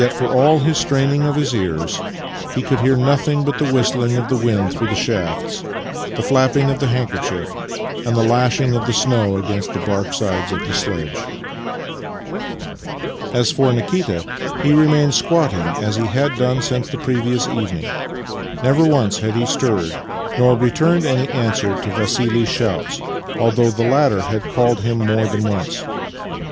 for all his straining of his ears, he could hear nothing but the whistling of the wind through the shafts, the flapping of the handkerchief, and the lashing of the snow against the bark sides of the sledge. As for Nikita, he remained squatting as he had done since the previous evening. Never once had he stirred, nor returned any answer to Vassili's shouts, although the latter had called to him more than once.